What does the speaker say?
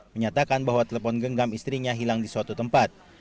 menyatakan bahwa telepon genggam istrinya hilang di suatu tempat